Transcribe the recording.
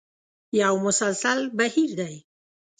یو مسلسل بهیر دی.